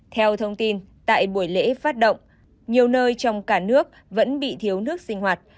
theo thông tin tại buổi lễ phát động nhiều nơi trong cả nước vẫn bị thiếu nước sinh hoạt